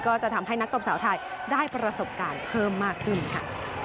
ก็จะทำให้นักตบสาวไทยได้ประสบการณ์เพิ่มมากขึ้นค่ะ